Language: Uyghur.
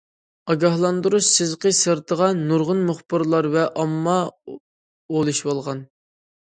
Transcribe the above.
ئاگاھلاندۇرۇش سىزىقى سىرتىغا نۇرغۇن مۇخبىرلار ۋە ئامما ئولىشىۋالغان.